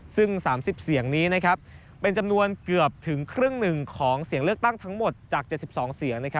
ซึ่ง๓๐เสียงนี้เป็นจำนวนเกือบถึงครึ่งหนึ่งของเสียงเลือกตั้งทั้งหมดจาก๗๒เสียง